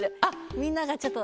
みんながちょっと。